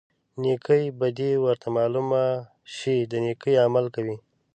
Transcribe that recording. نیکې بدي ورته معلومه شي د نیکۍ عمل کوي.